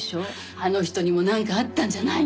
あの人にもなんかあったんじゃないの？